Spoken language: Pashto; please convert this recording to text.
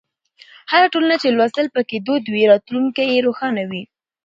هره ټولنه چې لوستل پکې دود وي، راتلونکی یې روښانه وي.